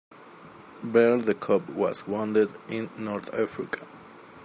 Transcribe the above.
Bert the cop was wounded in North Africa.